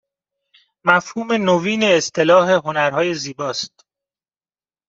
مفهوم نوین اصطلاح هنرهای زیباست